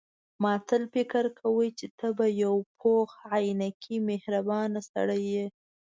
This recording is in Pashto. ما تل تصور کاوه چې ته به یو پوخ عینکي مهربانه سړی یې.